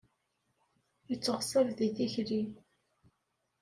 Yetteɣṣab di tikli.